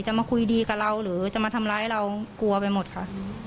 มาคุยดีกับเราหรือจะมาทำร้ายเรากลัวไปหมดค่ะ